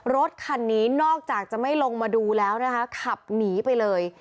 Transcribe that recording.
รถคันนี้นอกจากจะไม่ลงมาดูแล้วนะคะขับหนีไปเลย